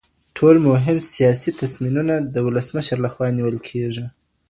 ټول مهم سياسي تصميمونه د ولسمشر لخوا نيول کيږي.